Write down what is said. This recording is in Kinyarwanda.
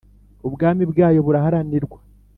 Ubwami bwayo buraharanirwa